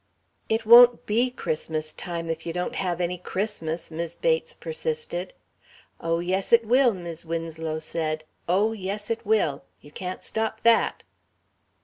"It won't be Christmas time if you don't have any Christmas," Mis' Bates persisted. "Oh, yes it will," Mis' Winslow said. "Oh, yes, it will. You can't stop that."